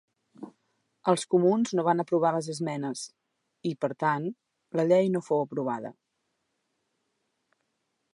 Els Comuns no van aprovar les esmenes i, per tant, la llei no fou aprovada.